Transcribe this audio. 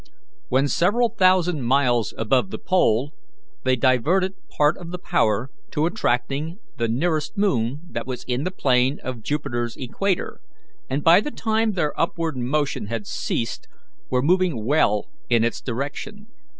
When Several thousand miles above the pole, they diverted part of the power to attracting the nearest moon that was in the plane of Jupiter's equator, and by the time their upward motion had ceased were moving well in its direction.